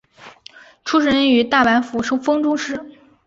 出身于大阪府丰中市。